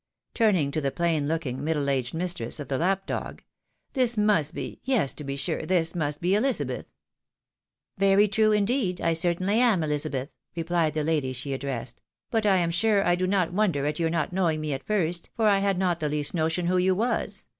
" turning to the plain looking, middle aged mistress of the lap dog, "this must be, yes, to be sm e, this must be Elizabeth ?"" Very true, indeed, I certainly am Ehzabeth," replied the lady she addressed ;" but I am sure I do not wonder at yoiir not knowing me at first, for I had not the least notion who you was.